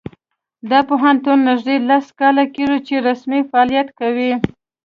دا پوهنتون نږدې لس کاله کیږي چې رسمي فعالیت کوي